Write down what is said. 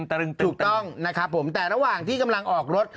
ตรึงถูกต้องนะครับผมแต่ระหว่างที่กำลังออกรถ